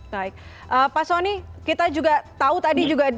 baik pak soni kita juga tahu tadi juga